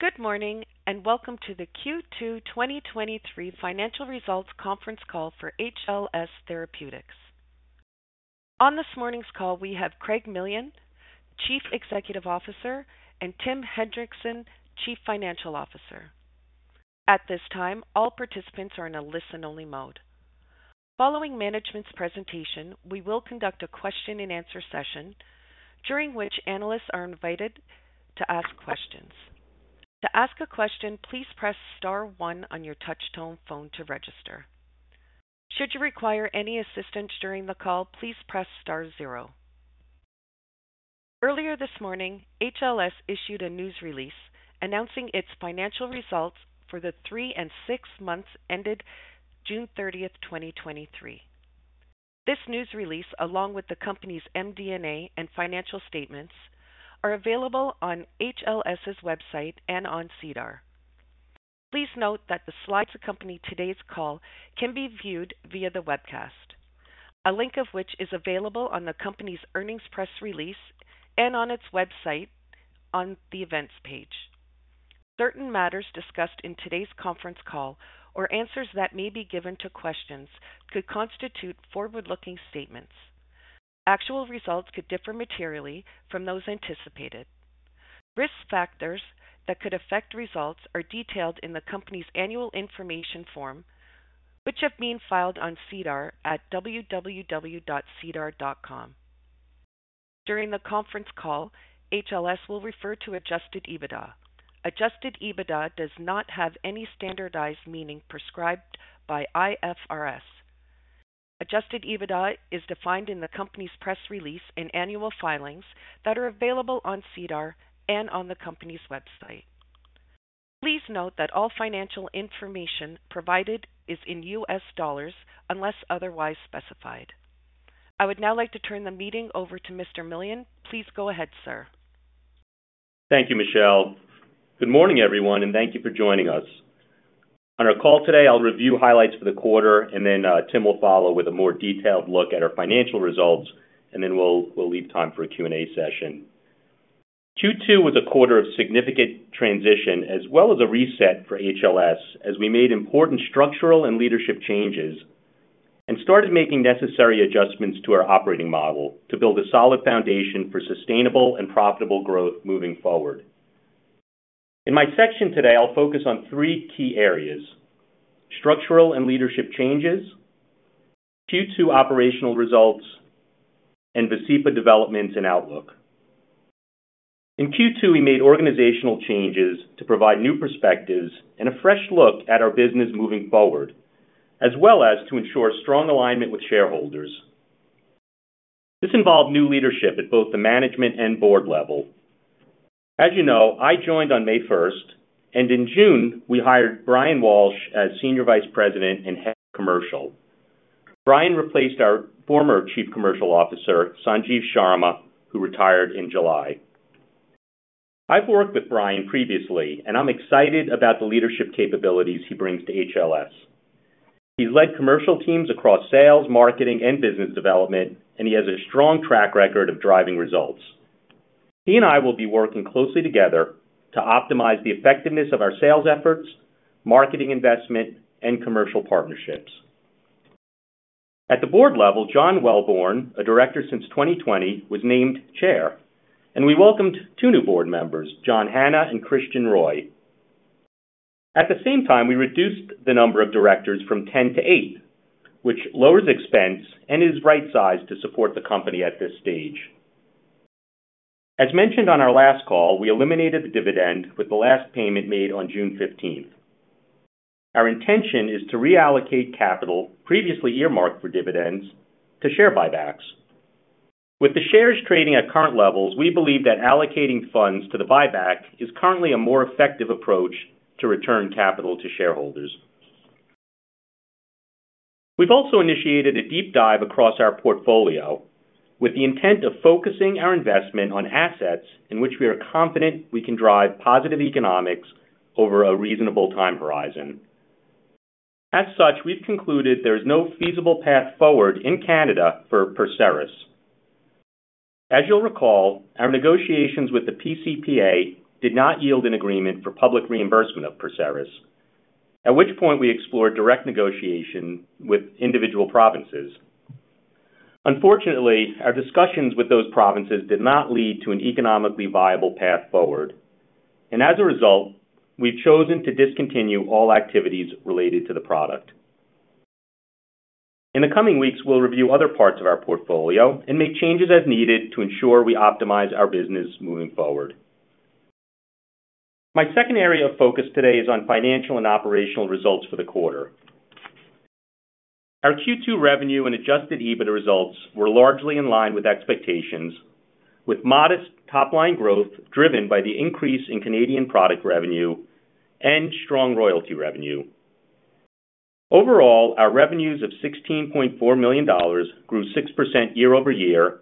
Good morning, welcome to the Q2 2023 Financial Results conference call for HLS Therapeutics. On this morning's call, we have Craig Millian, Chief Executive Officer, and Tim Hendrickson, Chief Financial Officer. At this time, all participants are in a listen-only mode. Following management's presentation, we will conduct a question and answer session, during which analysts are invited to ask questions. To ask a question, please press star one on your touchtone phone to register. Should you require any assistance during the call, please press star zero. Earlier this morning, HLS issued a news release announcing its financial results for the three and six months ended June 30 2023. This news release, along with the company's MD&A and financial statements, are available on HLS's website and on SEDAR. Please note that the slides that accompany today's call can be viewed via the webcast, a link of which is available on the company's earnings press release and on its website on the Events page. Certain matters discussed in today's conference call or answers that may be given to questions could constitute forward-looking statements. Actual results could differ materially from those anticipated. Risk factors that could affect results are detailed in the company's annual information form, which have been filed on SEDAR at www.sedar.com. During the conference call, HLS will refer to adjusted EBITDA. Adjusted EBITDA does not have any standardized meaning prescribed by IFRS. Adjusted EBITDA is defined in the company's press release and annual filings that are available on SEDAR and on the company's website. Please note that all financial information provided is in U.S. dollars, unless otherwise specified. I would now like to turn the meeting over to Mr. Millian. Please go ahead, sir. Thank you, Michelle. Good morning, everyone, and thank you for joining us. On our call today, I'll review highlights for the quarter, and then Tim will follow with a more detailed look at our financial results, and then we'll leave time for a Q&A session. Q2 was a quarter of significant transition as well as a reset for HLS as we made important structural and leadership changes and started making necessary adjustments to our operating model to build a solid foundation for sustainable and profitable growth moving forward. In my section today, I'll focus on three key areas: structural and leadership changes, Q2 operational results, and Vascepa developments and outlook. In Q2, we made organizational changes to provide new perspectives and a fresh look at our business moving forward, as well as to ensure strong alignment with shareholders. This involved new leadership at both the management and board level. As you know, I joined on May 1st. In June, we hired Brian Walsh as Senior Vice President and Head of Commercial. Brian replaced our former Chief Commercial Officer, Sanjiv Sharma, who retired in July. I've worked with Brian previously. I'm excited about the leadership capabilities he brings to HLS. He's led commercial teams across sales, marketing, and business development. He has a strong track record of driving results. He and I will be working closely together to optimize the effectiveness of our sales efforts, marketing investment, and commercial partnerships. At the board level, John Welborn, a director since 2020, was named Chair. We welcomed two new board members, John Hanna and Christian Roy. At the same time, we reduced the number of directors from 10 to eight, which lowers expense and is right-sized to support the company at this stage. As mentioned on our last call, we eliminated the dividend with the last payment made on June 15th. Our intention is to reallocate capital previously earmarked for dividends to share buybacks. With the shares trading at current levels, we believe that allocating funds to the buyback is currently a more effective approach to return capital to shareholders. We've also initiated a deep dive across our portfolio with the intent of focusing our investment on assets in which we are confident we can drive positive economics over a reasonable time horizon. As such, we've concluded there is no feasible path forward in Canada for PERSERIS. As you'll recall, our negotiations with the PCPA did not yield an agreement for public reimbursement of PERSERIS, at which point we explored direct negotiation with individual provinces. Unfortunately, our discussions with those provinces did not lead to an economically viable path forward, and as a result, we've chosen to discontinue all activities related to the product. In the coming weeks, we'll review other parts of our portfolio and make changes as needed to ensure we optimize our business moving forward. My second area of focus today is on financial and operational results for the quarter. Our Q2 revenue and adjusted EBITDA results were largely in line with expectations, with modest top-line growth driven by the increase in Canadian product revenue and strong royalty revenue. Overall, our revenues of $16.4 million grew 6% year-over-year,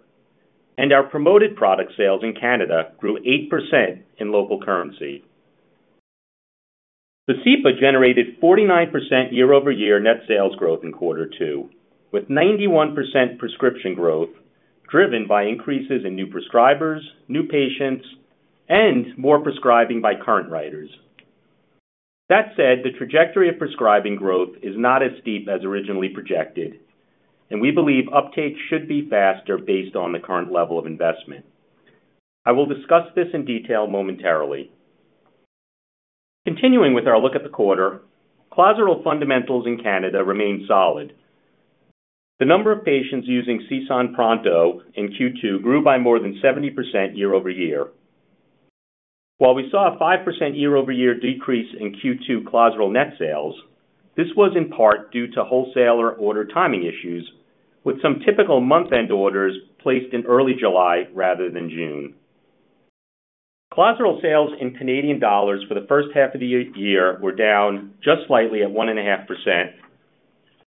and our promoted product sales in Canada grew 8% in local currency. Vascepa generated 49% year-over-year net sales growth in Q2, with 91% prescription growth driven by increases in new prescribers, new patients, and more prescribing by current writers. That said, the trajectory of prescribing growth is not as steep as originally projected, and we believe uptake should be faster based on the current level of investment. I will discuss this in detail momentarily. Continuing with our look at the quarter, CLOZARIL fundamentals in Canada remain solid. The number of patients using CSAN Pronto in Q2 grew by more than 70% year-over-year. While we saw a 5% year-over-year decrease in Q2 CLOZARIL net sales, this was in part due to wholesaler order timing issues, with some typical month-end orders placed in early July rather than June. CLOZARIL sales in Canadian dollars for the first half of the year were down just slightly at 1.5%,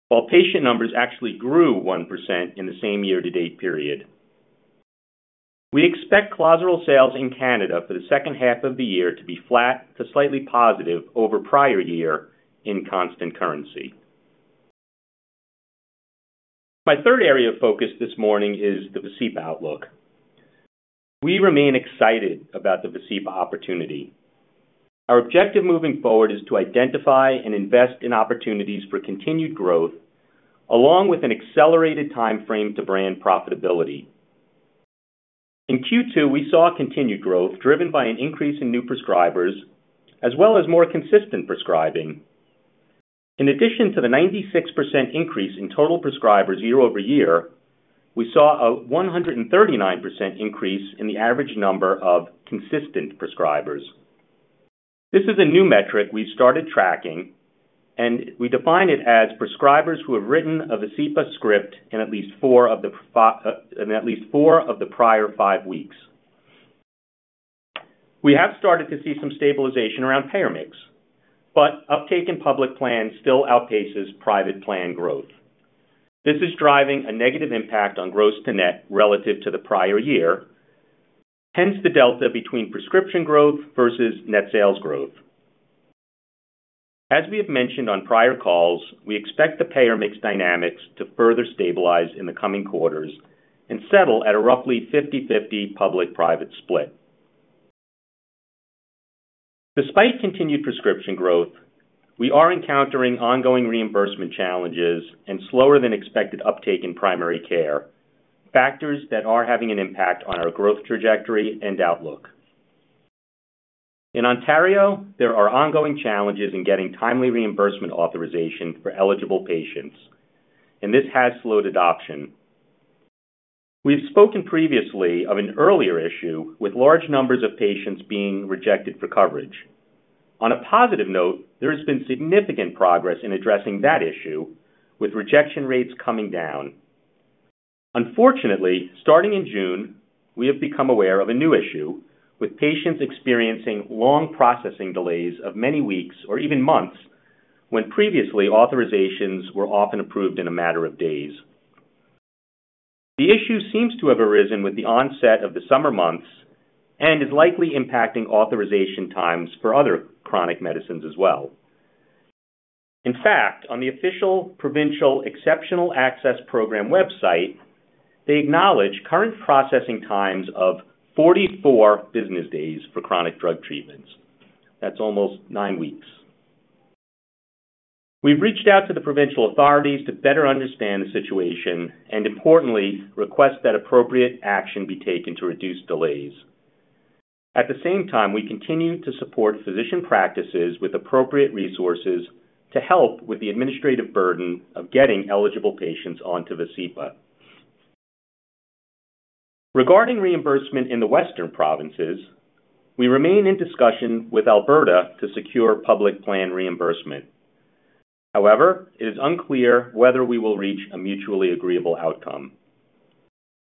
while patient numbers actually grew 1% in the same year-to-date period. We expect CLOZARIL sales in Canada for the second half of the year to be flat to slightly positive over prior year in constant currency. My third area of focus this morning is the Vascepa outlook. We remain excited about the Vascepa opportunity. Our objective moving forward is to identify and invest in opportunities for continued growth, along with an accelerated timeframe to brand profitability. In Q2, we saw continued growth driven by an increase in new prescribers as well as more consistent prescribing. In addition to the 96% increase in total prescribers year-over-year, we saw a 139% increase in the average number of consistent prescribers. This is a new metric we started tracking, and we define it as prescribers who have written a Vascepa script in at least four of the prior five weeks. We have started to see some stabilization around payer mix. Uptake in public plans still outpaces private plan growth. This is driving a negative impact on gross to net relative to the prior year, hence the delta between prescription growth versus net sales growth. As we have mentioned on prior calls, we expect the payer mix dynamics to further stabilize in the coming quarters and settle at a roughly 50/50 public-private split. Despite continued prescription growth, we are encountering ongoing reimbursement challenges and slower than expected uptake in primary care, factors that are having an impact on our growth trajectory and outlook. In Ontario, there are ongoing challenges in getting timely reimbursement authorization for eligible patients, and this has slowed adoption. We've spoken previously of an earlier issue with large numbers of patients being rejected for coverage. On a positive note, there has been significant progress in addressing that issue, with rejection rates coming down. Unfortunately, starting in June, we have become aware of a new issue, with patients experiencing long processing delays of many weeks or even months, when previously, authorizations were often approved in a matter of days. The issue seems to have arisen with the onset of the summer months and is likely impacting authorization times for other chronic medicines as well. In fact, on the official Provincial Exceptional Access Program website, they acknowledge current processing times of 44 business days for chronic drug treatments. That's almost nine weeks. We've reached out to the provincial authorities to better understand the situation and importantly, request that appropriate action be taken to reduce delays. At the same time, we continue to support physician practices with appropriate resources to help with the administrative burden of getting eligible patients onto Vascepa. Regarding reimbursement in the western provinces, we remain in discussion with Alberta to secure public plan reimbursement. However, it is unclear whether we will reach a mutually agreeable outcome.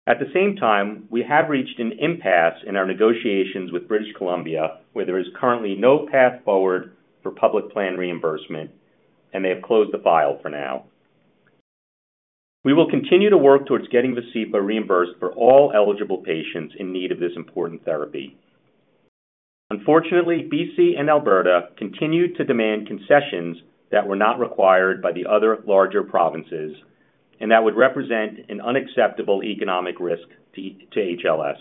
At the same time, we have reached an impasse in our negotiations with British Columbia, where there is currently no path forward for public plan reimbursement, and they have closed the file for now. We will continue to work towards getting Vascepa reimbursed for all eligible patients in need of this important therapy. Unfortunately, BC and Alberta continue to demand concessions that were not required by the other larger provinces and that would represent an unacceptable economic risk to HLS.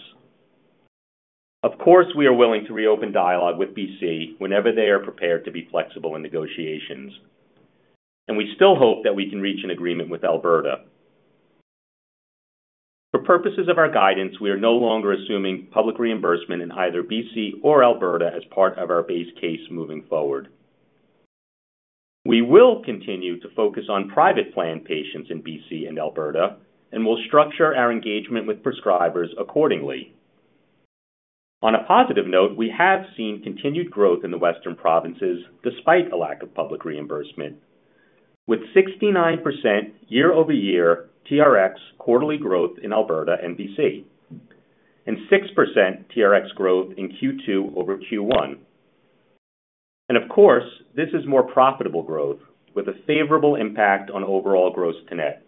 Of course, we are willing to reopen dialogue with BC whenever they are prepared to be flexible in negotiations, and we still hope that we can reach an agreement with Alberta. For purposes of our guidance, we are no longer assuming public reimbursement in either BC or Alberta as part of our base case moving forward. We will continue to focus on private plan patients in BC and Alberta and will structure our engagement with prescribers accordingly. On a positive note, we have seen continued growth in the western provinces despite a lack of public reimbursement, with 69% year-over-year TRX quarterly growth in Alberta and BC, and 6% TRX growth in Q2 over Q1. Of course, this is more profitable growth with a favorable impact on overall gross to net.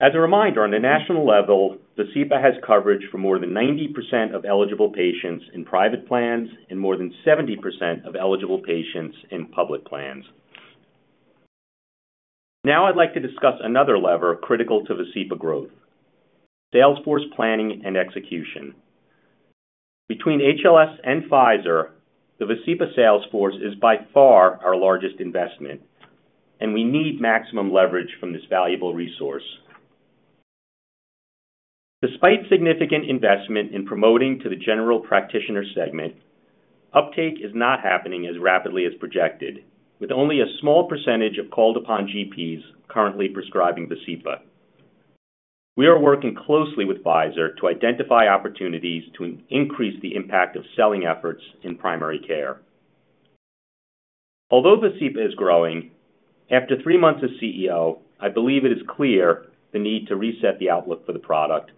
As a reminder, on the national level, Vascepa has coverage for more than 90% of eligible patients in private plans and more than 70% of eligible patients in public plans. Now I'd like to discuss another lever critical to Vascepa growth: sales force planning and execution. Between HLS and Pfizer, the Vascepa sales force is by far our largest investment, and we need maximum leverage from this valuable resource. Despite significant investment in promoting to the general practitioner segment, uptake is not happening as rapidly as projected, with only a small percentage of called-upon GPs currently prescribing Vascepa. We are working closely with Pfizer to identify opportunities to increase the impact of selling efforts in primary care. Although Vascepa is growing, after three months as CEO, I believe it is clear the need to reset the outlook for the product,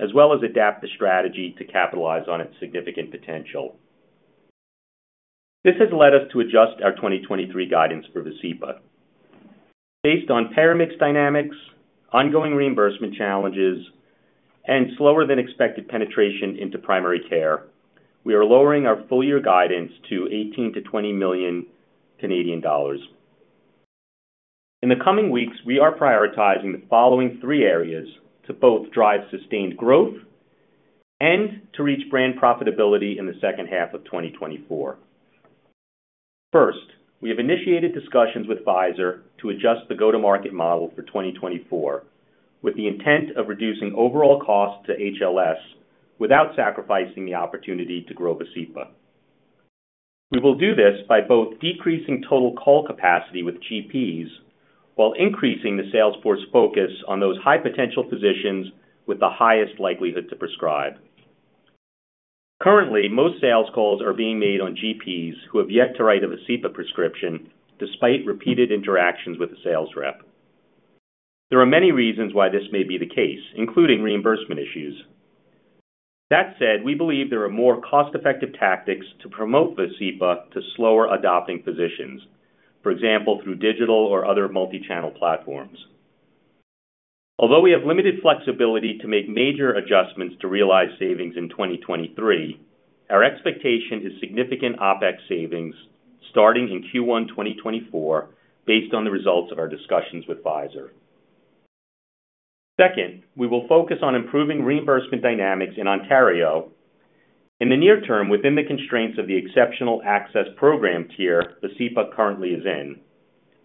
as well as adapt the strategy to capitalize on its significant potential. This has led us to adjust our 2023 guidance for Vascepa. Based on paramix dynamics, ongoing reimbursement challenges, and slower than expected penetration into primary care, we are lowering our full year guidance to 18 million- 20 million Canadian dollars. In the coming weeks, we are prioritizing the following three areas to both drive sustained growth and to reach brand profitability in the second half of 2024. First, we have initiated discussions with Pfizer to adjust the go-to-market model for 2024, with the intent of reducing overall costs to HLS without sacrificing the opportunity to grow Vascepa. We will do this by both decreasing total call capacity with GPs, while increasing the sales force focus on those high potential physicians with the highest likelihood to prescribe. Currently, most sales calls are being made on GPs who have yet to write a Vascepa prescription, despite repeated interactions with the sales rep. There are many reasons why this may be the case, including reimbursement issues. That said, we believe there are more cost-effective tactics to promote Vascepa to slower adopting physicians, for example, through digital or other multi-channel platforms. Although we have limited flexibility to make major adjustments to realize savings in 2023, our expectation is significant OpEx savings starting in Q1 2024, based on the results of our discussions with Pfizer. Second, we will focus on improving reimbursement dynamics in Ontario. In the near term, within the constraints of the Exceptional Access Program tier, Vascepa currently is in.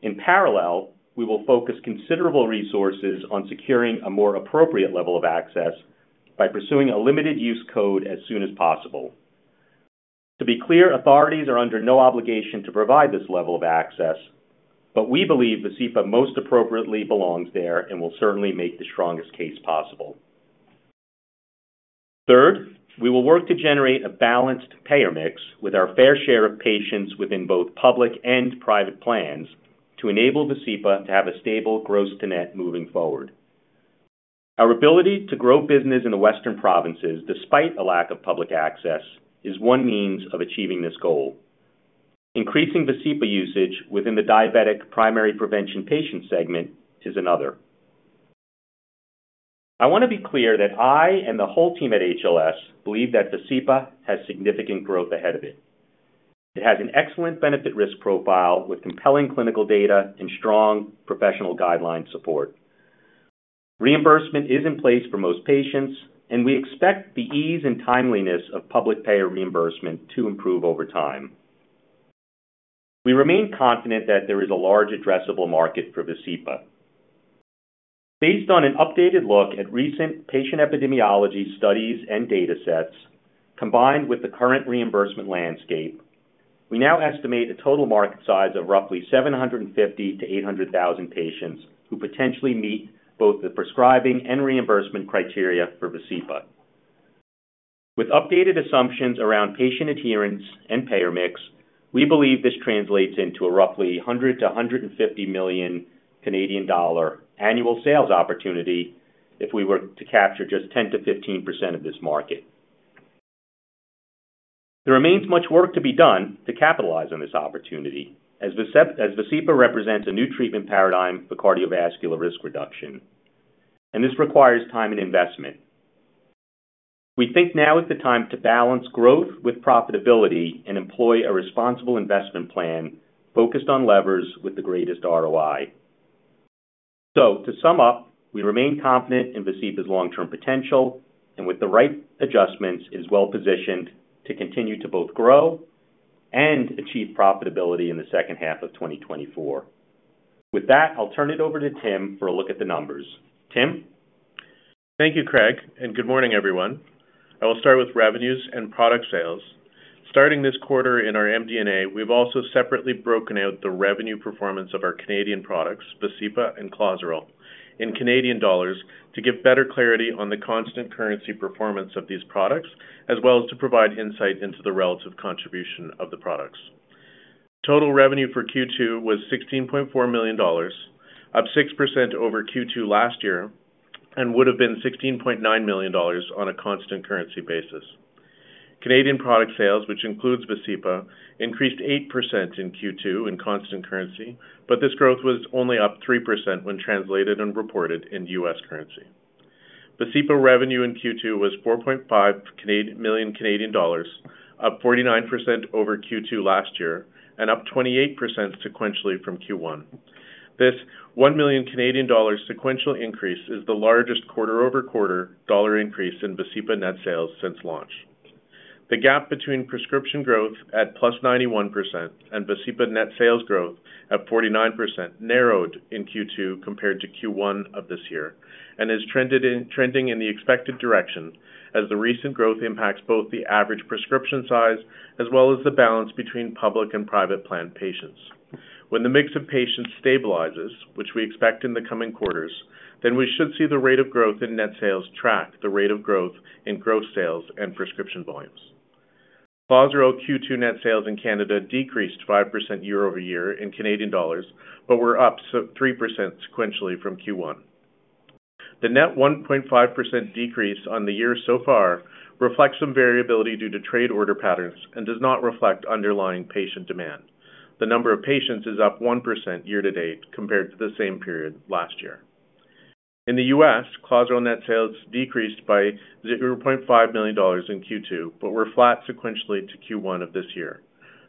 In parallel, we will focus considerable resources on securing a more appropriate level of access by pursuing a limited use code as soon as possible. To be clear, authorities are under no obligation to provide this level of access, but we believe Vascepa most appropriately belongs there and will certainly make the strongest case possible. Third, we will work to generate a balanced payer mix with our fair share of patients within both public and private plans, to enable Vascepa to have a stable gross to net moving forward. Our ability to grow business in the Western provinces, despite a lack of public access, is one means of achieving this goal. Increasing Vascepa usage within the diabetic primary prevention patient segment is another. I want to be clear that I and the whole team at HLS believe that Vascepa has significant growth ahead of it. It has an excellent benefit risk profile with compelling clinical data and strong professional guideline support. Reimbursement is in place for most patients, and we expect the ease and timeliness of public payer reimbursement to improve over time. We remain confident that there is a large addressable market for Vascepa. Based on an updated look at recent patient epidemiology studies and data sets, combined with the current reimbursement landscape, we now estimate a total market size of roughly 750,000-800,000 patients who potentially meet both the prescribing and reimbursement criteria for Vascepa. With updated assumptions around patient adherence and payer mix, we believe this translates into a roughly 100 million-150 million Canadian dollar annual sales opportunity if we were to capture just 10%-15% of this market. There remains much work to be done to capitalize on this opportunity, as Vascepa represents a new treatment paradigm for cardiovascular risk reduction, and this requires time and investment. We think now is the time to balance growth with profitability and employ a responsible investment plan focused on levers with the greatest ROI. To sum up, we remain confident in Vascepa's long-term potential, and with the right adjustments, it is well-positioned to continue to both grow and achieve profitability in the second half of 2024. With that, I'll turn it over to Tim for a look at the numbers. Tim? Thank you, Craig. Good morning, everyone. I will start with revenues and product sales. Starting this quarter in our MD&A, we've also separately broken out the revenue performance of our Canadian products, Vascepa and CLOZARIL, in Canadian dollars to give better clarity on the constant currency performance of these products, as well as to provide insight into the relative contribution of the products. Total revenue for Q2 was $16.4 million, up 6% over Q2 last year, would have been $16.9 million on a constant currency basis. Canadian product sales, which includes Vascepa, increased 8% in Q2 in constant currency, this growth was only up 3% when translated and reported in U.S. currency. Vascepa revenue in Q2 was 4.5 million Canadian dollars, up 49% over Q2 last year, up 28% sequentially from Q1. This 1 million Canadian dollars sequential increase is the largest quarter-over-quarter dollar increase in Vascepa net sales since launch. The gap between prescription growth at +91% and Vascepa net sales growth at 49% narrowed in Q2 compared to Q1 of this year, and is trending in the expected direction as the recent growth impacts both the average prescription size as well as the balance between public and private plan patients. When the mix of patients stabilizes, which we expect in the coming quarters, we should see the rate of growth in net sales track the rate of growth in gross sales and prescription volumes. CLOZARIL Q2 net sales in Canada decreased 5% year-over-year in Canadian dollars, but were up 3% sequentially from Q1. The net 1.5% decrease on the year so far reflects some variability due to trade order patterns and does not reflect underlying patient demand. The number of patients is up 1% year-to-date compared to the same period last year. In the US, CLOZARIL net sales decreased by $0.5 million in Q2, but were flat sequentially to Q1 of this year.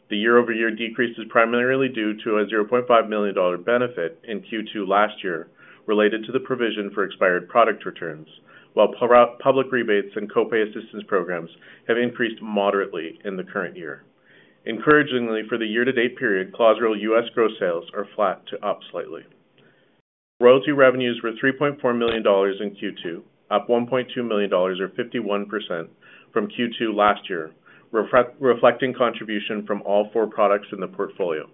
The year-over-year decrease is primarily due to a $0.5 million benefit in Q2 last year related to the provision for expired product returns, while public rebates and co-pay assistance programs have increased moderately in the current year. Encouragingly, for the year-to-date period, CLOZARIL U.S. gross sales are flat to up slightly. Royalty revenues were $3.4 million in Q2, up $1.2 million, or 51% from Q2 last year, reflecting contribution from all four products in the portfolio.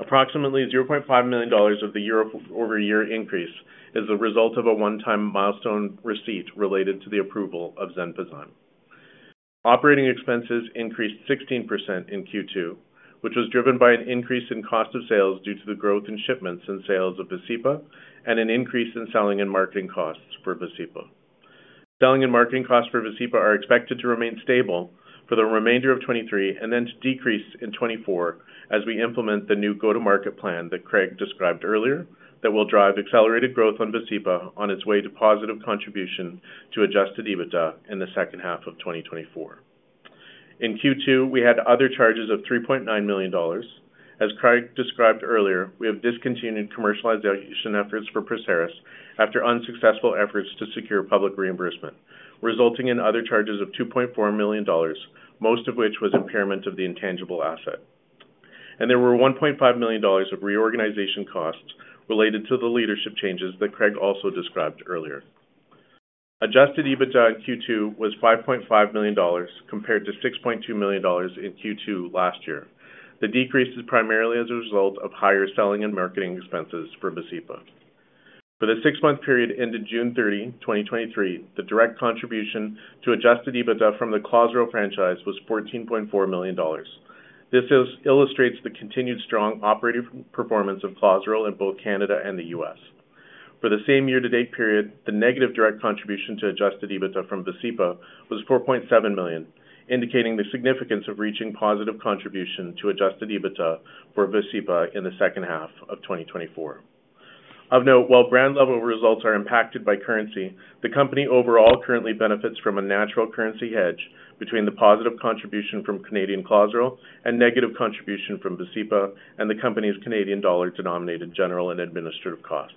Approximately $0.5 million of the year-over-year increase is a result of a one-time milestone receipt related to the approval of XENPOZYME. Operating expenses increased 16% in Q2, which was driven by an increase in cost of sales due to the growth in shipments and sales of Vascepa, and an increase in selling and marketing costs for Vascepa. Selling and marketing costs for Vascepa are expected to remain stable for the remainder of 2023 and then to decrease in 2024 as we implement the new go-to-market plan that Craig described earlier, that will drive accelerated growth on Vascepa on its way to positive contribution to adjusted EBITDA in the second half of 2024. In Q2, we had other charges of $3.9 million. As Craig described earlier, we have discontinued commercialization efforts for PERSERIS after unsuccessful efforts to secure public reimbursement, resulting in other charges of $2.4 million, most of which was impairment of the intangible asset. There were $1.5 million of reorganization costs related to the leadership changes that Craig also described earlier. adjusted EBITDA in Q2 was $5.5 million, compared to $6.2 million in Q2 last year. The decrease is primarily as a result of higher selling and marketing expenses for Vascepa. For the six-month period ended June 30, 2023, the direct contribution to adjusted EBITDA from the CLOZARIL franchise was $14.4 million. This illustrates the continued strong operating performance of CLOZARIL in both Canada and the U.S. For the same year-to-date period, the negative direct contribution to adjusted EBITDA from Vascepa was $4.7 million, indicating the significance of reaching positive contribution to adjusted EBITDA for Vascepa in the second half of 2024. Of note, while brand level results are impacted by currency, the company overall currently benefits from a natural currency hedge between the positive contribution from Canadian CLOZARIL and negative contribution from Vascepa, and the company's Canadian dollar-denominated general and administrative costs.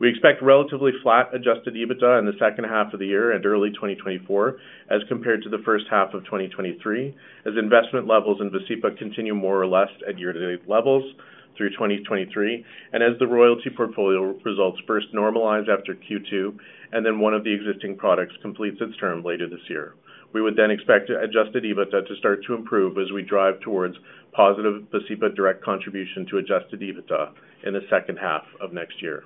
We expect relatively flat adjusted EBITDA in the second half of the year and early 2024, as compared to the first half of 2023, as investment levels in Vascepa continue more or less at year-to-date levels through 2023, and as the royalty portfolio results first normalize after Q2, and then one of the existing products completes its term later this year. We would expect adjusted EBITDA to start to improve as we drive towards positive Vascepa direct contribution to adjusted EBITDA in the second half of next year.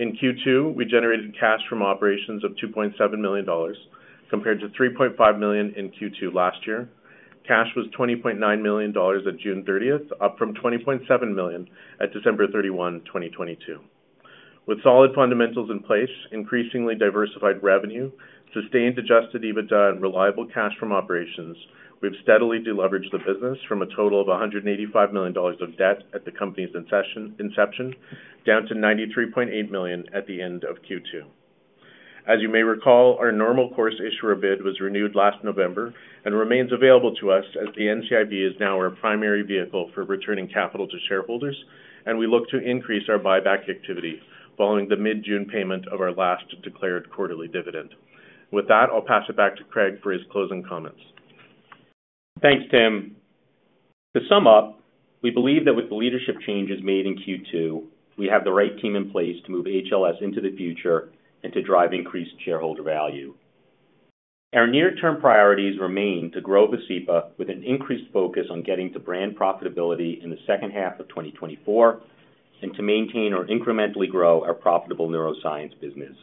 In Q2, we generated cash from operations of $2.7 million, compared to $3.5 million in Q2 last year. Cash was $20.9 million on June 30th, up from $20.7 million at December 31, 2022. With solid fundamentals in place, increasingly diversified revenue, sustained adjusted EBITDA, and reliable cash from operations, we've steadily de-leveraged the business from a total of $185 million of debt at the company's inception, down to $93.8 million at the end of Q2. As you may recall, our normal course issuer bid was renewed last November and remains available to us, as the NCIB is now our primary vehicle for returning capital to shareholders, and we look to increase our buyback activity following the mid-June payment of our last declared quarterly dividend. With that, I'll pass it back to Craig for his closing comments. Thanks, Tim. To sum up, we believe that with the leadership changes made in Q2, we have the right team in place to move HLS into the future and to drive increased shareholder value. Our near-term priorities remain to grow Vascepa with an increased focus on getting to brand profitability in the second half of 2024, and to maintain or incrementally grow our profitable neuroscience business.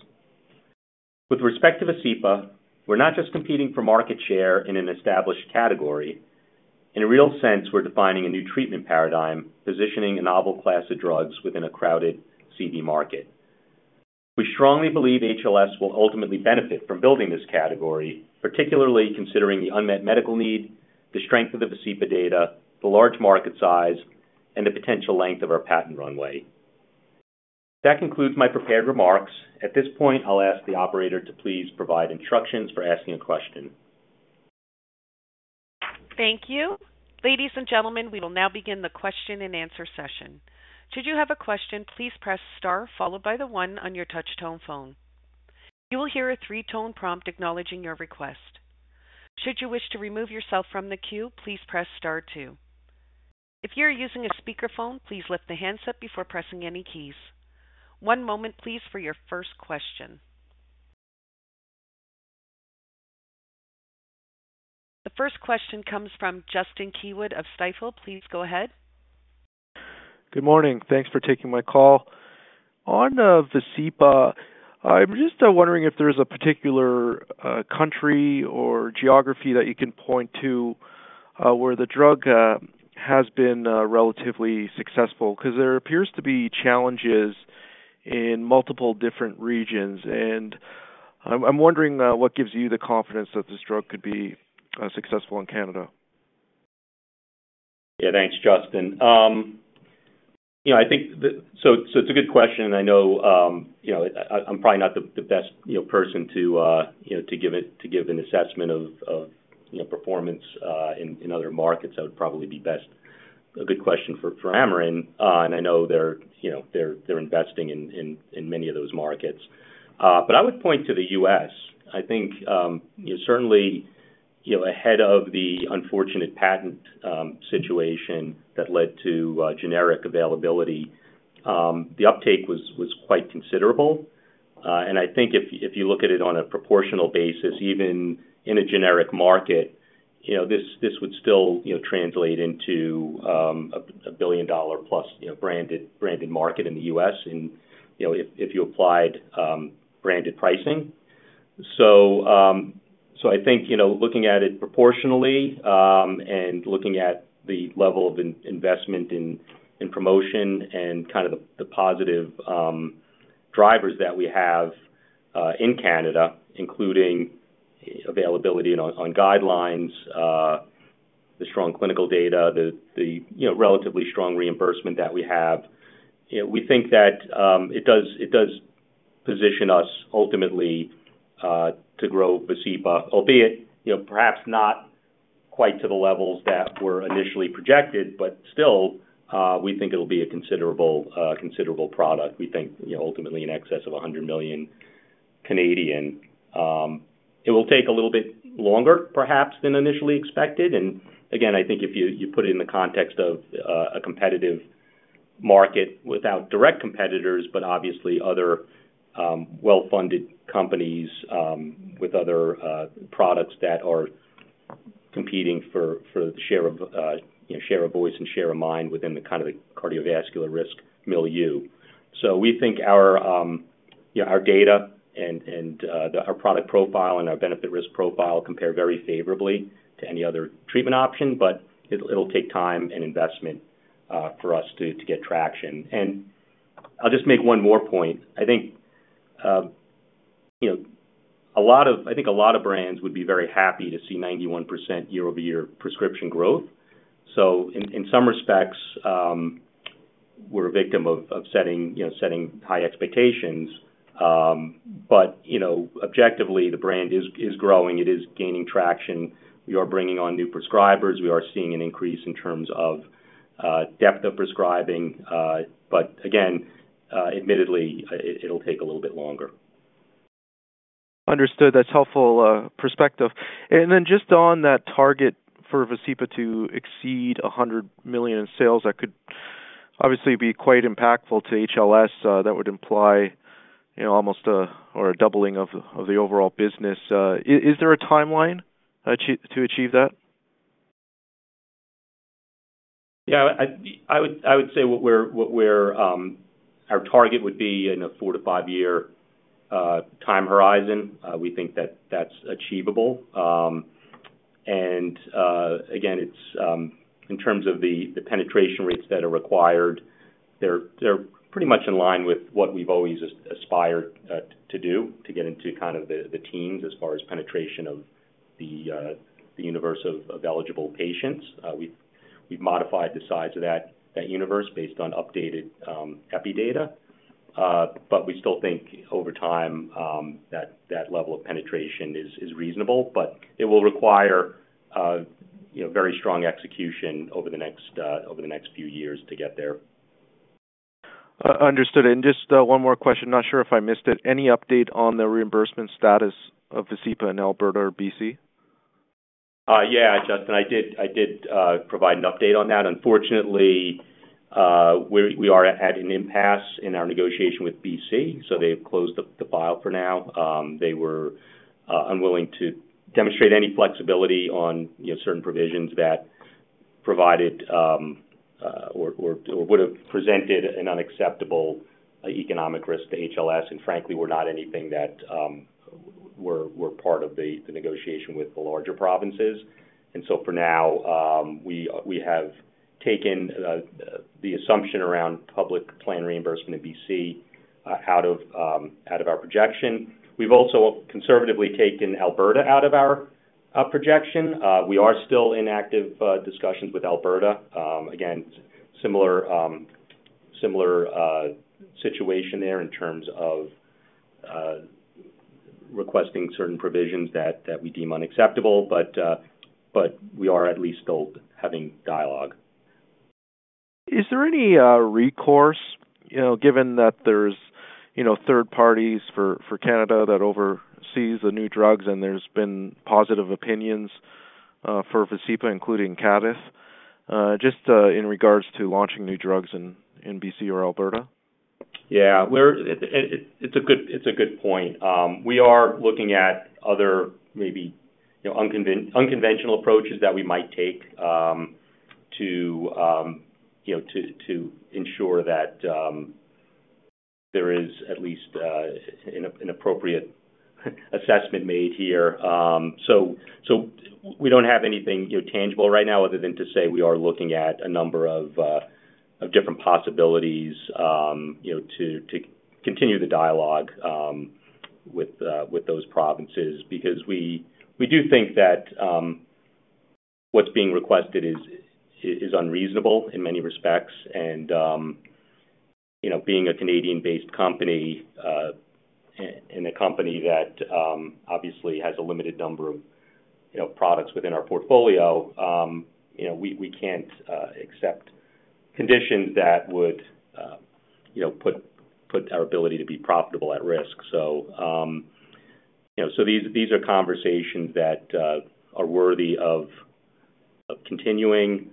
With respect to Vascepa, we're not just competing for market share in an established category. In a real sense, we're defining a new treatment paradigm, positioning a novel class of drugs within a crowded CV market. We strongly believe HLS will ultimately benefit from building this category, particularly considering the unmet medical need, the strength of the Vascepa data, the large market size, and the potential length of our patent runway. That concludes my prepared remarks.At this point, I'll ask the operator to please provide instructions for asking a question. Thank you. Ladies and gentlemen, we will now begin the question-and-answer session. Should you have a question, please press star, followed by the one on your touch-tone phone. You will hear a three-tone prompt acknowledging your request. Should you wish to remove yourself from the queue, please press star two. If you are using a speakerphone, please lift the handset before pressing any keys. One moment please, for your first question. The first question comes from Justin Keywood of Stifel. Please go ahead. Good morning. Thanks for taking my call. On Vascepa, I'm just wondering if there is a particular country or geography that you can point to where the drug has been relatively successful? Because there appears to be challenges in multiple different regions, and I'm, I'm wondering, what gives you the confidence that this drug could be successful in Canada? Yeah, thanks, Justin. You know, I think the... it's a good question, and I know, you know, I, I'm probably not the, the best, you know, person to, you know, to give it, to give an assessment of, of, you know, performance, in, in other markets. That would probably be best a good question for, for Amarin. I know they're, you know, they're, they're investing in, in, in many of those markets. I would point to the U.S. I think, you know, certainly, you know, ahead of the unfortunate patent, situation that led to, generic availability, the uptake was, was quite considerable. I think if, if you look at it on a proportional basis, even in a generic market, you know, this, this would still, you know, translate into a billion-dollar plus, you know, branded, branded market in the U.S. and, you know, if, if you applied branded pricing. I think, you know, looking at it proportionally, and looking at the level of investment in, in promotion and kind of the, the positive drivers that we have in Canada, including availability on, on guidelines, the strong clinical data, the, the, you know, relatively strong reimbursement that we have, you know, we think that it does, it does position us ultimately to grow Vascepa, albeit, you know, perhaps not quite to the levels that were initially projected, but still, we think it'll be a considerable, considerable product. We think, you know, ultimately in excess of 100 million. It will take a little bit longer perhaps than initially expected. Again, I think if you, you put it in the context of a competitive market without direct competitors, but obviously other well-funded companies with other products that are competing for, for the share of, you know, share of voice and share of mind within the kind of the cardiovascular risk milieu. We think our, you know, our data and, and the, our product profile and our benefit risk profile compare very favorably to any other treatment option, but it'll, it'll take time and investment for us to, to get traction. I'll just make one more point. I think, you know, a lot of, I think a lot of brands would be very happy to see 91% year-over-year prescription growth. In, in some respects, we're a victim of, of setting, you know, setting high expectations. You know, objectively, the brand is, is growing, it is gaining traction. We are bringing on new prescribers. We are seeing an increase in terms of depth of prescribing. Again, admittedly, it, it'll take a little bit longer. Understood. That's helpful perspective. Then just on that target for Vascepa to exceed $100 million in sales, that could obviously be quite impactful to HLS. That would imply, you know, almost a, or a doubling of the, of the overall business. Is, is there a timeline to achieve that? Yeah, I, I would, I would say what we're, what we're, our target would be in a four to five year time horizon. We think that that's achievable. Again, it's in terms of the penetration rates that are required, they're pretty much in line with what we've always aspired to do, to get into kind of the teens as far as penetration of the universe of eligible patients. We've, we've modified the size of that, that universe based on updated epidemiological data. We still think over time that that level of penetration is reasonable, but it will require, you know, very strong execution over the next over the next few years to get there. Understood. Just one more question. Not sure if I missed it. Any update on the reimbursement status of Vascepa in Alberta or BC? Yeah, Justin, I did provide an update on that. Unfortunately, we are at an impasse in our negotiation with BC, so they've closed the file for now. They were unwilling to demonstrate any flexibility on, you know, certain provisions that provided or would have presented an unacceptable economic risk to HLS, and frankly, were not anything that we're part of the negotiation with the larger provinces. So for now, we have taken the assumption around public plan reimbursement in BC out of our projection. We've also conservatively taken Alberta out of our projection. We are still in active discussions with Alberta. Again, similar, similar, situation there in terms of requesting certain provisions that, that we deem unacceptable, but, but we are at least still having dialogue. Is there any, recourse, you know, given that there's, you know, third parties for, for Canada that oversees the new drugs, and there's been positive opinions, for Vascepa, including CADTH, just, in regards to launching new drugs in, in BC or Alberta? Yeah, we're, it's a good, it's a good point. We are looking at other maybe, you know, unconventional approaches that we might take to, you know, to ensure that there is at least an appropriate assessment made here. We don't have anything, you know, tangible right now, other than to say we are looking at a number of different possibilities, you know, to continue the dialogue with those provinces. We do think that what's being requested is unreasonable in many respects. You know, being a Canadian-based company, and a company that, obviously has a limited number of, you know, products within our portfolio, you know, we, we can't, accept conditions that would, you know, put, put our ability to be profitable at risk. You know, so these, these are conversations that, are worthy of, of continuing.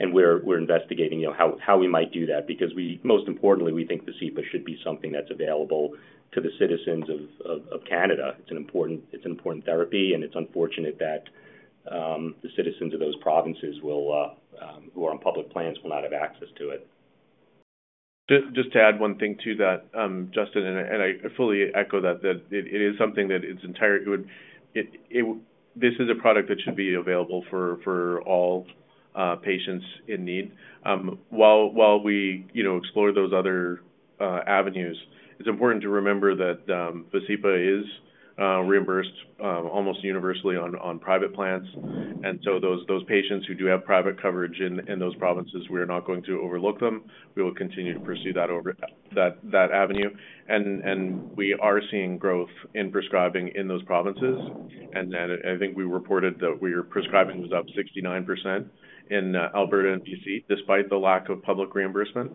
We're, we're investigating, you know, how, how we might do that because we... most importantly, we think Vascepa should be something that's available to the citizens of, of, of Canada. It's an important, it's an important therapy, and it's unfortunate that, the citizens of those provinces will, who are on public plans will not have access to it. Just, just to add one thing to that, Justin, and I, and I fully echo that, that it is something that is entirely would, this is a product that should be available for, for all patients in need. While, while we, you know, explore those other avenues, it's important to remember that Vascepa is reimbursed almost universally on private plans. Those, those patients who do have private coverage in, in those provinces, we are not going to overlook them. We will continue to pursue that avenue. We are seeing growth in prescribing in those provinces. I think we reported that we are prescribing was up 69% in Alberta and BC, despite the lack of public reimbursement.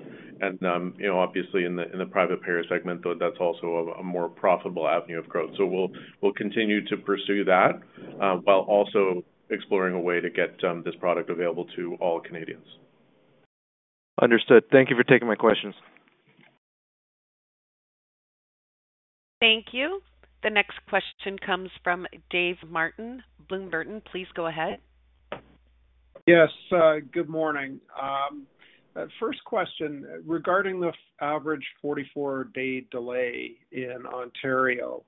You know, obviously in the, in the private payer segment, though, that's also a, a more profitable avenue of growth. We'll, we'll continue to pursue that, while also exploring a way to get, this product available to all Canadians. Understood. Thank you for taking my questions. Thank you. The next question comes from Dave Martin, Bloomberg. Please go ahead. Yes, good morning. First question regarding the average 44 day delay in Ontario.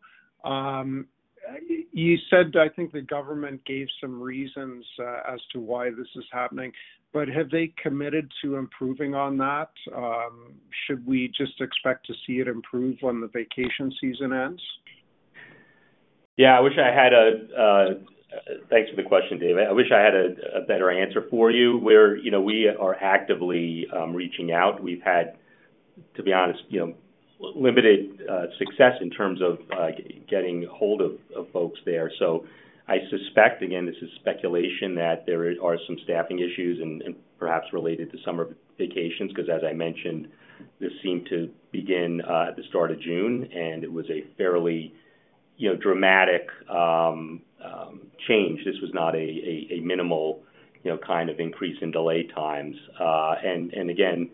You said, I think the government gave some reasons as to why this is happening, but have they committed to improving on that? Should we just expect to see it improve when the vacation season ends? Yeah, I wish I had a. Thanks for the question, Dave. I wish I had a better answer for you. We're, you know, we are actively reaching out. We've had, to be honest, you know, limited success in terms of getting hold of folks there. I suspect, again, this is speculation, that there are some staffing issues and, and perhaps related to summer vacations, 'cause as I mentioned, this seemed to begin at the start of June, and it was a fairly, you know, dramatic change. This was not a minimal, you know, kind of increase in delay times. Again,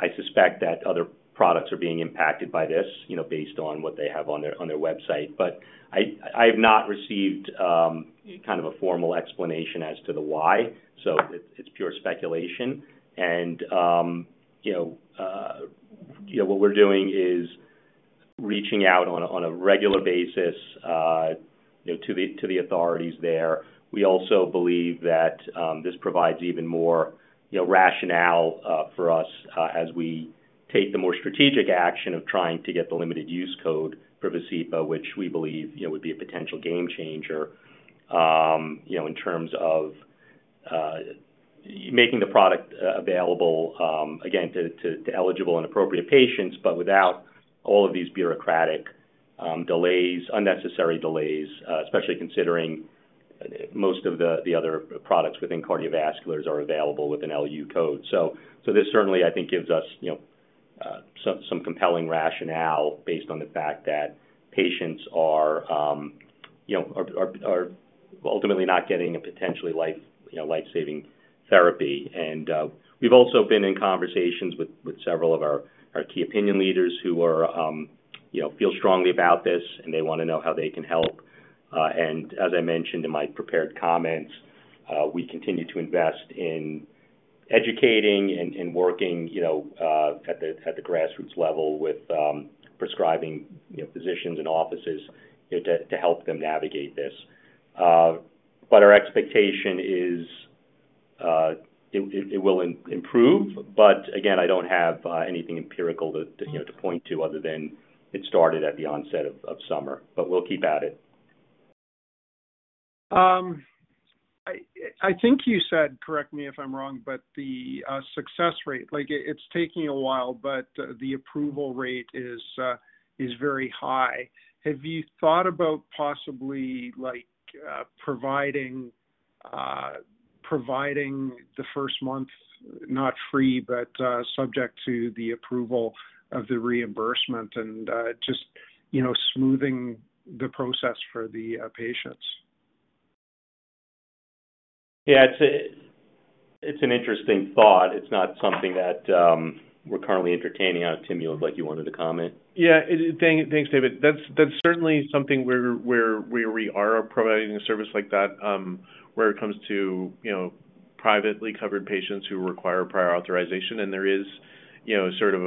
I suspect that other products are being impacted by this, you know, based on what they have on their, on their website. I have not received, kind of a formal explanation as to the why, so it's pure speculation. You know, you know, what we're doing is reaching out on a, on a regular basis, you know, to the, to the authorities there. We also believe that this provides even more, you know, rationale for us as we take the more strategic action of trying to get the limited use code for Vascepa, which we believe, you know, would be a potential game changer, you know, in terms of making the product available again, to eligible and appropriate patients, but without all of these bureaucratic delays, unnecessary delays, especially considering most of the, the other products within cardiovascular are available with an LU code. This certainly, I think, gives us, you know, some, some compelling rationale based on the fact that patients are, you know, are, are, are ultimately not getting a potentially life, you know, life-saving therapy. We've also been in conversations with, with several of our, our key opinion leaders who are, you know, feel strongly about this, and they want to know how they can help. As I mentioned in my prepared comments, we continue to invest in educating and, and working, you know, at the, at the grassroots level with, prescribing, you know, physicians and offices to, to help them navigate this. Our expectation is, it, it will improve. Again, I don't have anything empirical to, to, you know, to point to other than it started at the onset of, of summer. We'll keep at it. I think you said, correct me if I'm wrong, but the success rate, like it's taking a while, but the approval rate is very high. Have you thought about possibly, like, providing providing the first month, not free, but subject to the approval of the reimbursement and just, you know, smoothing the process for the patients? Yeah, it's a, it's an interesting thought. It's not something that we're currently entertaining. Tim, you look like you wanted to comment. Yeah, it, thank- thanks, David. That's, that's certainly something we're, we're, we are providing a service like that, where it comes to, you know, privately covered patients who require prior authorization, and there is, you know, sort of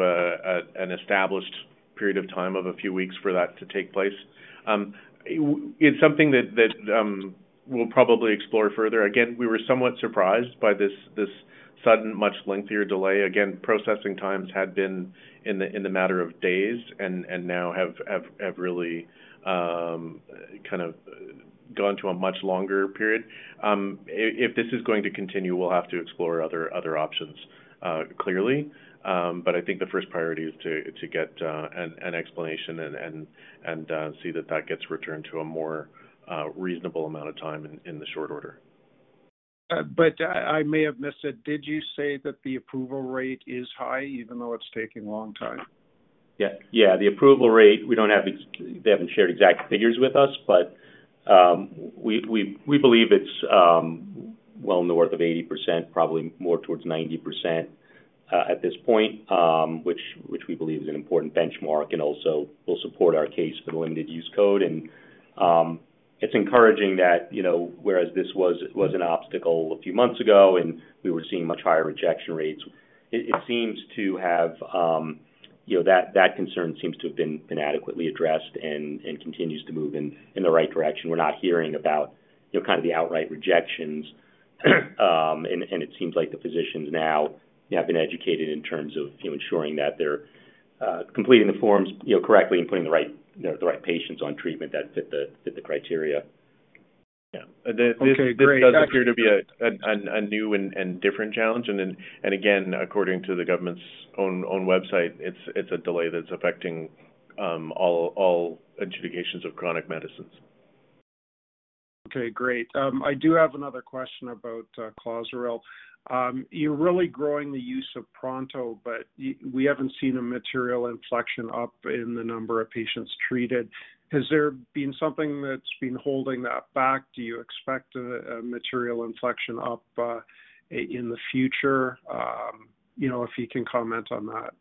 an established period of time of a few weeks for that to take place. It's something that, that, we'll probably explore further. Again, we were somewhat surprised by this, this sudden, much lengthier delay. Again, processing times had been in the, in the matter of days and, and now have, have, have really, kind of gone to a much longer period. If this is going to continue, we'll have to explore other, other options, clearly. I think the first priority is to get an explanation and see that that gets returned to a more, reasonable amount of time in, in the short order. I may have missed it. Did you say that the approval rate is high, even though it's taking a long time? Yeah. Yeah, the approval rate, we don't have ex- they haven't shared exact figures with us, but we, we, we believe it's well north of 80%, probably more towards 90% at this point, which, which we believe is an important benchmark and also will support our case for the limited use code. It's encouraging that, you know, whereas this was, was an obstacle a few months ago, and we were seeing much higher rejection rates, it, it seems to have, you know, that, that concern seems to have been adequately addressed and, and continues to move in, in the right direction. We're not hearing about, you know, kind of the outright rejections. It seems like the physicians now have been educated in terms of, you know, ensuring that they're completing the forms, you know, correctly and putting the right patients on treatment that fit the criteria. Yeah. Okay, great. This does appear to be a, a new and, and different challenge. According to the government's own, own website, it's, it's a delay that's affecting all, all adjudications of chronic medicines. Okay, great. I do have another question about CLOZARIL. You're really growing the use of Pronto, but we haven't seen a material inflection up in the number of patients treated. Has there been something that's been holding that back? Do you expect a material inflection up in the future? You know, if you can comment on that.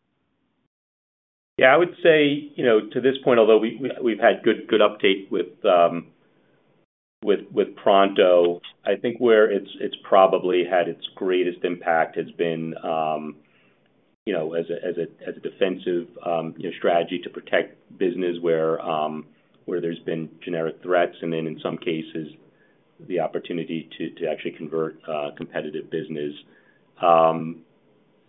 Yeah, I would say, you know, to this point, although we've had good, good update with Pronto, I think where it's probably had its greatest impact has been, you know, as a defensive, you know, strategy to protect business where there's been generic threats, and then in some cases, the opportunity to actually convert competitive business.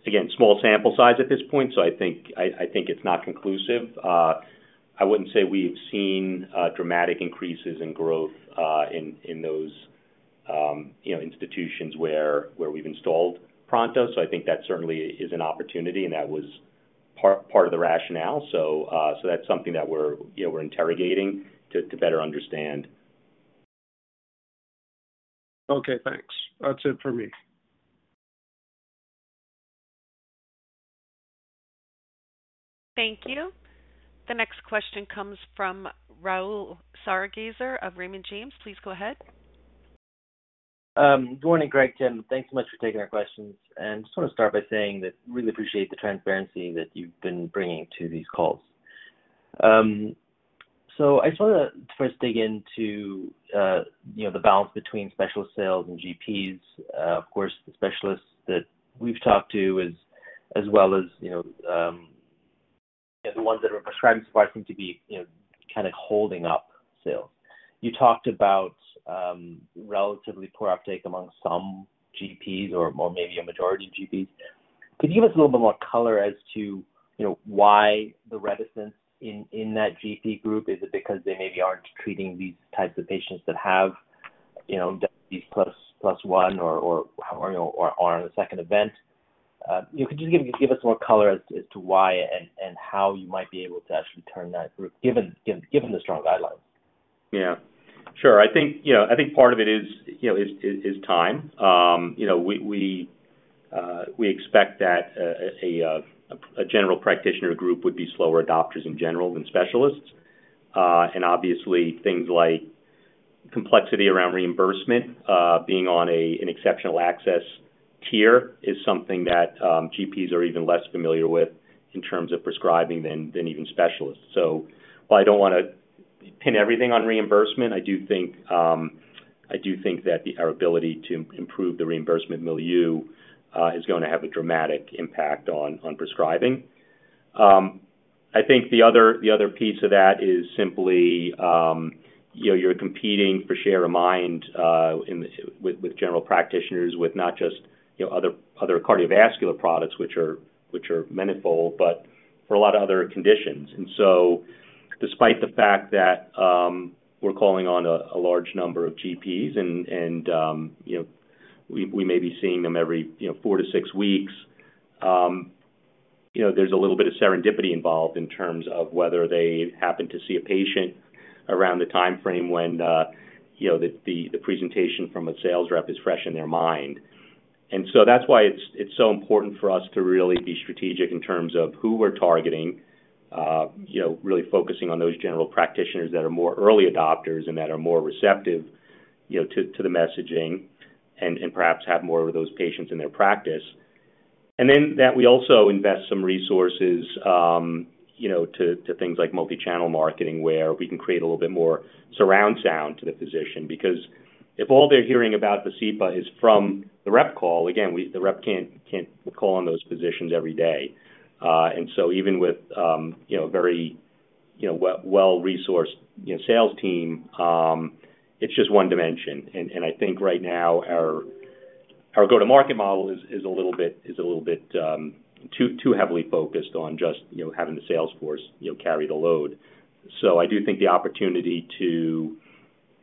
Again, small sample size at this point, so I think it's not conclusive. I wouldn't say we've seen dramatic increases in growth in those, you know, institutions where we've installed Pronto. I think that certainly is an opportunity, and that was part of the rationale. That's something that we're, you know, we're interrogating to better understand. Okay, thanks. That's it for me. Thank you. The next question comes from Rahul Sarugaser of Raymond James. Please go ahead. Good morning, Craig, Tim, thanks so much for taking our questions. Just want to start by saying that really appreciate the transparency that you've been bringing to these calls. I just want to first dig into, you know, the balance between specialist sales and GPs. Of course, the specialists that we've talked to is, as well as, you know, the ones that are prescribing Vascepa seem to be, you know, kind of holding up sales. You talked about relatively poor uptake among some GPs or maybe a majority of GPs. Could you give us a little bit more color as to, you know, why the reticence in, in that GP group? Is it because they maybe aren't treating these types of patients that have, you know, disease plus, plus one or, or, or, you know, are on a second event? Could you give, give us more color as to, as to why and, and how you might be able to actually turn that group, given, given the strong guidelines? Yeah, sure. I think, you know, I think part of it is, you know, is, is time. You know, we, we expect that a general practitioner group would be slower adopters in general than specialists. Obviously, things like complexity around reimbursement, being on an Exceptional Access tier is something that GPs are even less familiar with in terms of prescribing than, than even specialists. While I don't want to pin everything on reimbursement. I do think I do think that the, our ability to improve the reimbursement milieu is going to have a dramatic impact on, on prescribing. I think the other, the other piece of that is simply, you know, you're competing for share of mind, in, with, with general practitioners, with not just, you know, other, other cardiovascular products, which are, which are manifold, but for a lot of other conditions. So despite the fact that, we're calling on a, a large number of GPs and, and, you know, we, we may be seeing them every, you know, four to six weeks, you know, there's a little bit of serendipity involved in terms of whether they happen to see a patient around the timeframe when, you know, the, the, the presentation from a sales rep is fresh in their mind. That's why it's, it's so important for us to really be strategic in terms of who we're targeting, you know, really focusing on those general practitioners that are more early adopters and that are more receptive, you know, to, to the messaging and, and perhaps have more of those patients in their practice. That we also invest some resources, you know, to, to things like multi-channel marketing, where we can create a little bit more surround sound to the physician. Because if all they're hearing about Vascepa is from the rep call, again, the rep can't call on those physicians every day. Even with, you know, very, you know, well, well-resourced, you know, sales team, it's just one dimension. I think right now, our, our go-to-market model is, is a little bit, is a little bit too, too heavily focused on just, you know, having the sales force, you know, carry the load. I do think the opportunity to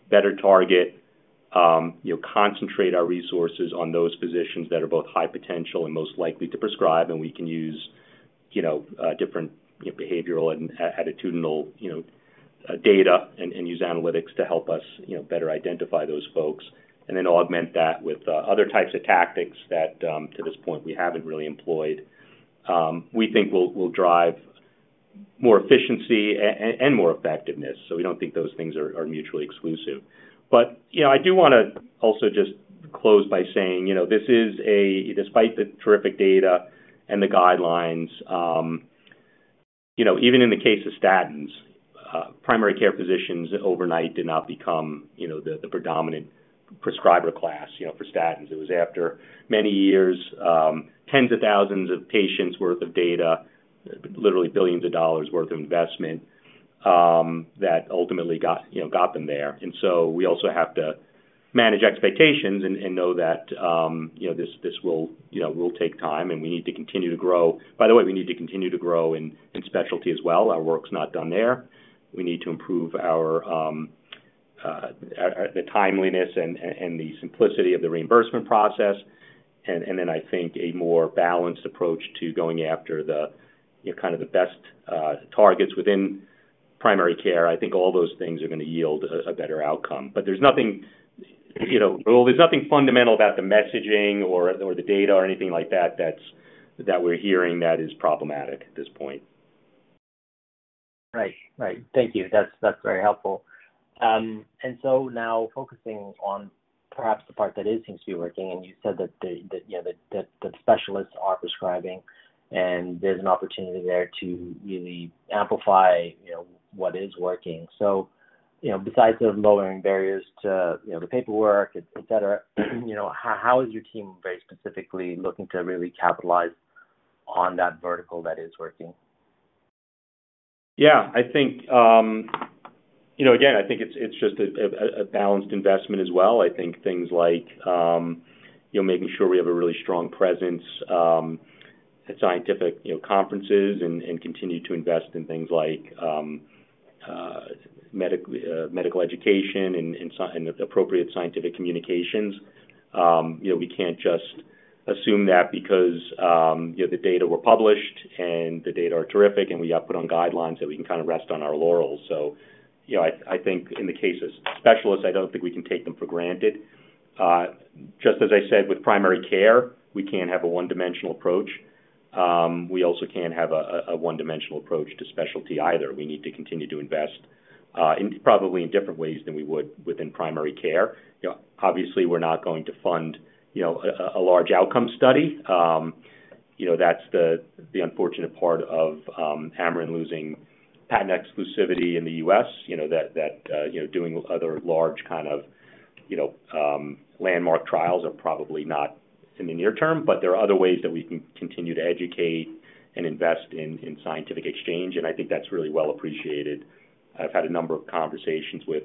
better target, you know, concentrate our resources on those physicians that are both high potential and most likely to prescribe, and we can use, you know, different, you know, behavioral and attitudinal, you know, data and, and use analytics to help us, you know, better identify those folks, and then augment that with other types of tactics that to this point, we haven't really employed, we think will, will drive more efficiency and, and more effectiveness. We don't think those things are, are mutually exclusive. You know, I do wanna also just close by saying, you know, this is despite the terrific data and the guidelines, you know, even in the case of statins, primary care physicians overnight did not become, you know, the, the predominant prescriber class, you know, for statins. It was after many years, tens of thousands of patients worth of data, literally billions of dollars worth of investment, that ultimately got, you know, got them there. We also have to manage expectations and, and know that, you know, this, this will, you know, will take time, and we need to continue to grow. By the way, we need to continue to grow in, in specialty as well. Our work's not done there. We need to improve our, the timeliness and, and the simplicity of the reimbursement process. Then I think a more balanced approach to going after the, you know, kind of the best targets within primary care. I think all those things are gonna yield a, a better outcome. There's nothing, you know, well, there's nothing fundamental about the messaging or, or the data or anything like that, that's, that we're hearing that is problematic at this point. Right. Right. Thank you. That's, that's very helpful. So now focusing on perhaps the part that is seems to be working, and you said that the, the, you know, the, the specialists are prescribing, and there's an opportunity there to really amplify, you know, what is working. You know, besides the lowering barriers to, you know, the paperwork, et cetera, you know, how, how is your team very specifically looking to really capitalize on that vertical that is working? Yeah, I think, you know, again, I think it's, it's just a, a, a balanced investment as well. I think things like, you know, making sure we have a really strong presence at scientific, you know, conferences and continue to invest in things like medical education and appropriate scientific communications. You know, we can't just assume that because, you know, the data were published and the data are terrific, and we got put on guidelines that we can kind of rest on our laurels. You know, I, I think in the case of specialists, I don't think we can take them for granted. Just as I said with primary care, we can't have a one-dimensional approach. We also can't have a one-dimensional approach to specialty either. We need to continue to invest, in probably in different ways than we would within primary care. You know, obviously, we're not going to fund, you know, a, a large outcome study. You know, that's the, the unfortunate part of, Amarin losing patent exclusivity in the U.S., you know, that, that, you know, doing other large kind of, you know, landmark trials are probably not in the near term, but there are other ways that we can continue to educate and invest in, in scientific exchange, and I think that's really well appreciated. I've had a number of conversations with,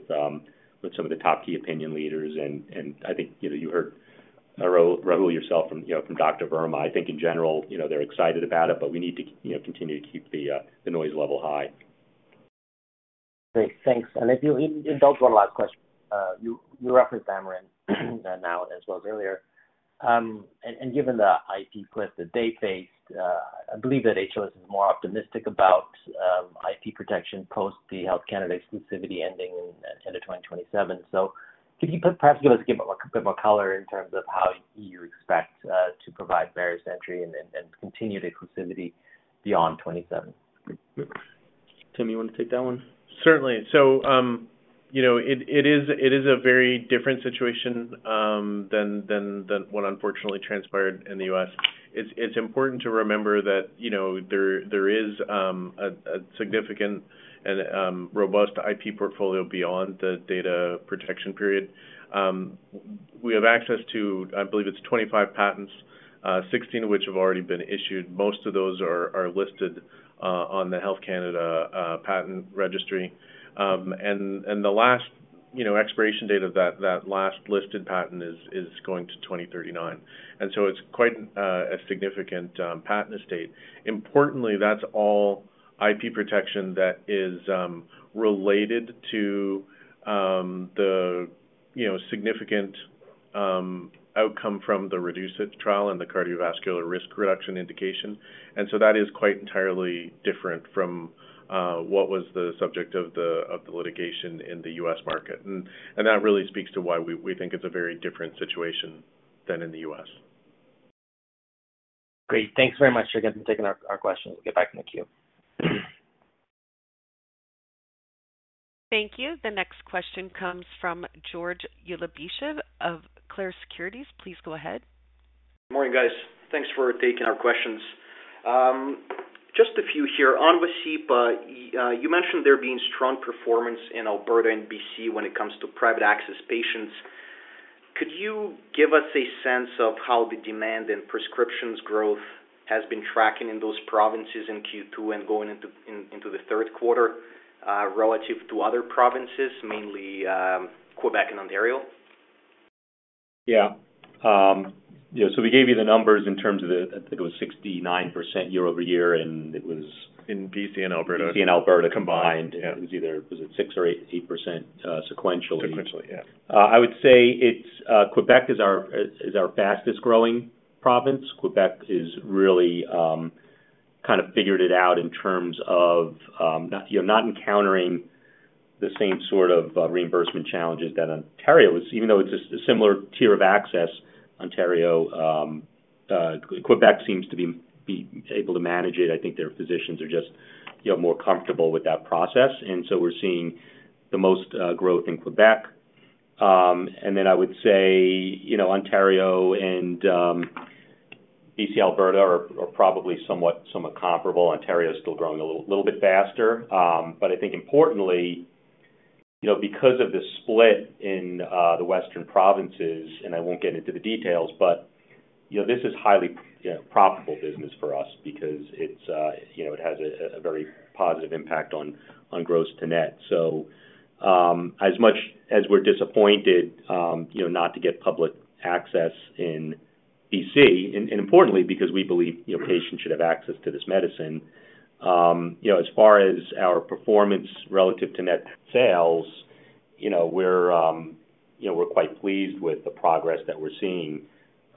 with some of the top key opinion leaders, and, and I think, you know, you heard, Rahul yourself from, you know, from Dr. Verma. I think in general, you know, they're excited about it, but we need to, you know, continue to keep the noise level high. Great. Thanks. If you indulge one last question. You, you referenced Amarin, now as well as earlier. Given the IP cliff that they faced, I believe that HLS is more optimistic about IP protection post the Health Canada exclusivity ending in end of 2027. Could you perhaps give us, give a bit more color in terms of how you expect to provide various entry and then, and continue the exclusivity beyond 2027? Tim, you want to take that one? Certainly. You know, it, it is, it is a very different situation than, than, than what unfortunately transpired in the U.S. It's, it's important to remember that, you know, there, there is a significant and robust IP portfolio beyond the data protection period. We have access to, I believe it's 25 patents, 16 of which have already been issued. Most of those are, are listed on the Health Canada patent registry. The last, you know, expiration date of that, that last listed patent is, is going to 2039, and so it's quite a significant patent estate. Importantly, that's all IP protection that is related to the, you know, significant outcome from the REDUCE-IT trial and the cardiovascular risk reduction indication. That is quite entirely different from what was the subject of the, of the litigation in the U.S. market. That really speaks to why we, we think it's a very different situation than in the U.S. Great. Thanks very much for taking our, our questions. We'll get back in the queue. Thank you. The next question comes from George Ulybyshev of Clarus Securities. Please go ahead. Morning, guys. Thanks for taking our questions. Just a few here. On Vascepa, you mentioned there being strong performance in Alberta and BC when it comes to private access patients. Could you give us a sense of how the demand and prescriptions growth has been tracking in those provinces in Q2 and going into the third quarter, relative to other provinces, mainly, Quebec and Ontario? Yeah. yeah, so we gave you the numbers in terms of the... I think it was 69% year-over-year, and it was-In BC and Alberta combined. Yeah, it was either, was it 6% or 8%, sequentially? Sequentially, yeah. I would say it's, Quebec is our, is our fastest growing province. Quebec is really, kind of figured it out in terms of, not, you know, not encountering the same sort of, reimbursement challenges that Ontario is, even though it's a similar tier of access, Ontario, Quebec seems to be, be able to manage it. I think their physicians are just, you know, more comfortable with that process, so we're seeing the most growth in Quebec. I would say, you know, Ontario and, BC, Alberta are, are probably somewhat, somewhat comparable. Ontario is still growing a little, little bit faster. I think importantly, you know, because of the split in the western provinces, and I won't get into the details, but, you know, this is highly, you know, profitable business for us because it's, you know, it has a very positive impact on gross to net. As much as we're disappointed, you know, not to get public access in BC, and, and importantly, because we believe, you know, patients should have access to this medicine. You know, as far as our performance relative to net sales, you know, we're, you know, we're quite pleased with the progress that we're seeing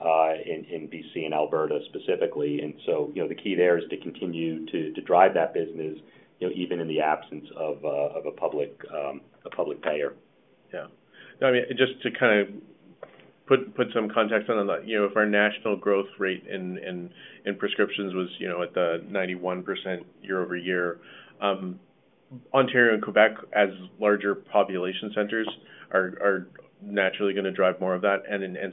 in BC and Alberta specifically. You know, the key there is to continue to drive that business, you know, even in the absence of a public, a public payer. Yeah. I mean, just to kind of put, put some context on that, you know, if our national growth rate in, in, in prescriptions was, you know, at the 91% year-over-year, Ontario and Quebec, as larger population centers, are, are naturally gonna drive more of that.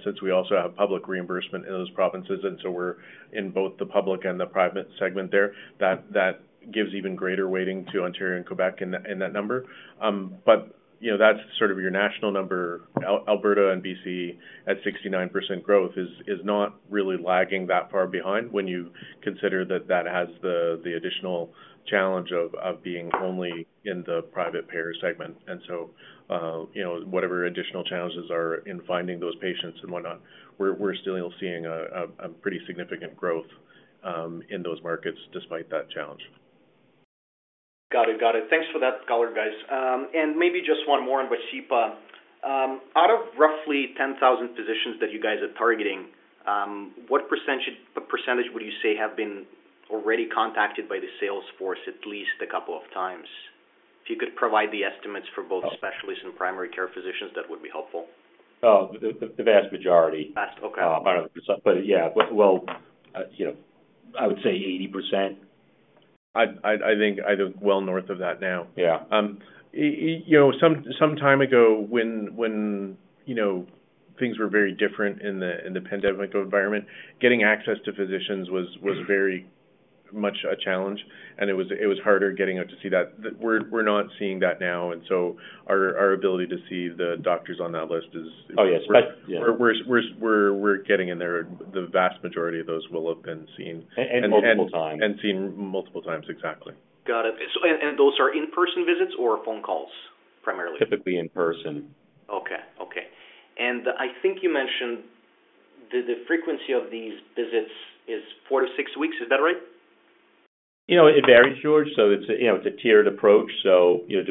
Since we also have public reimbursement in those provinces, and so we're in both the public and the private segment there, that, that gives even greater weighting to Ontario and Quebec in that, in that number. You know, that's sort of your national number. Alberta and BC at 69% growth is, is not really lagging that far behind when you consider that that has the, the additional challenge of, of being only in the private payer segment. You know, whatever additional challenges are in finding those patients and whatnot, we're, we're still seeing a pretty significant growth in those markets despite that challenge. Got it. Got it. Thanks for that color, guys. Maybe just one more on Vascepa. Out of roughly 10,000 physicians that you guys are targeting, what % would you say have been already contacted by the sales force at least a couple of times? If you could provide the estimates for both specialists and primary care physicians, that would be helpful. Oh, the, the vast majority. Vast, okay. yeah. Well, well, you know, I would say 80%. I think either well north of that now. Yeah. You know, some time ago, when, you know, things were very different in the pandemic environment, getting access to physicians was very much a challenge, and it was harder getting them to see that. We're not seeing that now, and so our ability to see the doctors on that list is. Oh, yes. We're getting in there. The vast majority of those will have been seen and seen multiple times. Exactly. Got it. Those are in-person visits or phone calls, primarily? Typically in person. Okay. Okay. I think you mentioned the, the frequency of these visits is four to six weeks. Is that right? You know, it varies, George. It's, you know, it's a tiered approach. You know,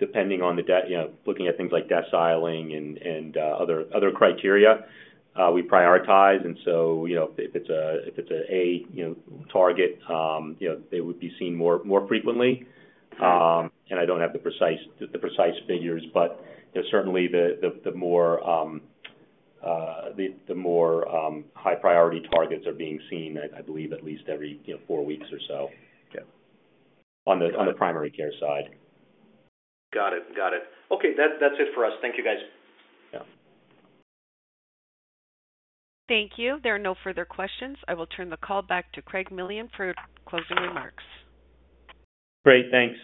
depending on the, you know, looking at things like deciling and, and other, other criteria, we prioritize. So, you know, if it's a, you know, target, you know, they would be seen more, more frequently. I don't have the precise, the precise figures, but, you know, certainly the more, high priority targets are being seen, I, I believe, at least every, you know, four weeks or so. Yeah. On the, on the primary care side. Got it. Got it. Okay, that, that's it for us. Thank you, guys. Yeah. Thank you. There are no further questions. I will turn the call back to Craig Millian for closing remarks. Great. Thanks,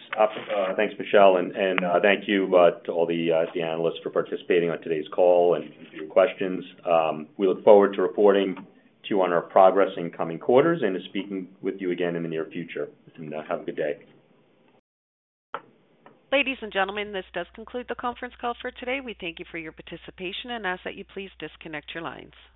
thanks, Michelle, and thank you to all the analysts for participating on today's call and for your questions. We look forward to reporting to you on our progress in coming quarters and to speaking with you again in the near future. Have a good day. Ladies and gentlemen, this does conclude the conference call for today. We thank you for your participation and ask that you please disconnect your lines.